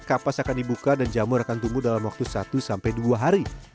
kapas akan dibuka dan jamur akan tumbuh dalam waktu satu sampai dua hari